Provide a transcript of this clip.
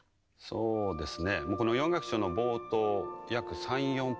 そうですね。